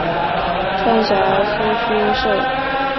川陕苏区设。